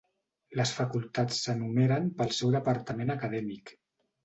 Les facultats s'enumeren pel seu departament acadèmic.